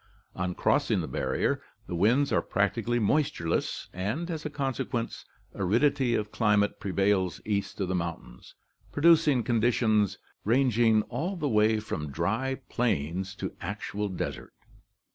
On crossing the barrier, the winds are practically moistureless and, as a consequence, aridity of climate prevails east of the mountains, producing conditions rang ing all the way from dry plains to actual desert.